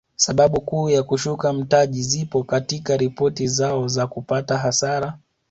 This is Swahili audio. Sababu kuu ya kushuka mtaji zipo katika ripoti zao za kupata hasara